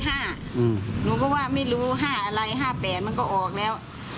หนูก็ว่าไม่รู้๕อะไร๕๘มันก็ออกแล้ว